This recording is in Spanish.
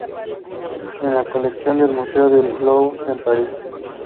Es en la colección del Museo del Louvre, en Paris.